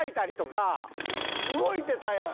動いてたやん。